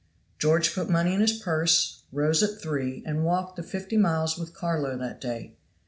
George put money in his purse, rose at three, and walked the fifty miles with Carlo that day.